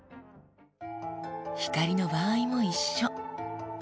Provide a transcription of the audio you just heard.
光の場合も一緒。